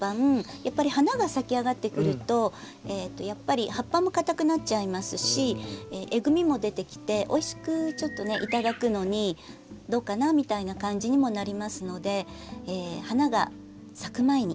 やっぱり花が咲きあがってくるとやっぱり葉っぱも硬くなっちゃいますしえぐみも出てきておいしくいただくのにどうかなみたいな感じにもなりますので花が咲く前に。